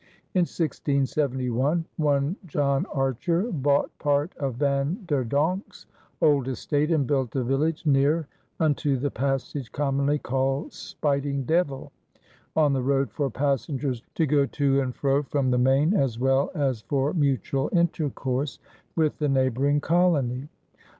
In 1671 one John Archer bought part of Van der Donck's old estate and built a village "near unto the passage commonly called Spiting Devil" on "the road for passengers to go to and fro from the main as well as for mutual intercourse with the neighboring colony."